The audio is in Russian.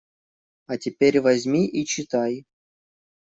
А теперь возьми и читай.